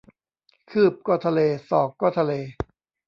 คืบก็ทะเล ศอกก็ทะเล